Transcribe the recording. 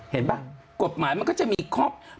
เห็นปะกฎหมายมันก็จะมีข้อมี